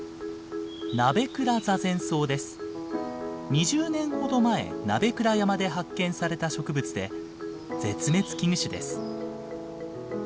２０年ほど前鍋倉山で発見された植物で絶滅危惧種です。